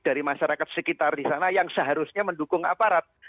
dari masyarakat sekitar di sana yang seharusnya mendukung aparat